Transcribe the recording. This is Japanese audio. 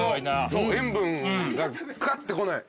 塩分がカッてこない。